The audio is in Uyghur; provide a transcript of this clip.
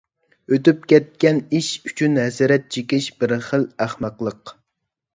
ئۆتۈپ كەتكەن ئىش ئۈچۈن ھەسرەت چېكىش بىر خىل ئەخمەقلىق.